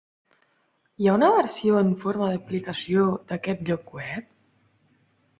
Hi ha una versió en forma d'aplicació d'aquest lloc web?